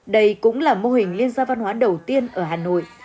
đây cũng là mô hình liên gia văn hóa đầu tiên ở hà nội